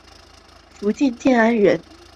福建建安人。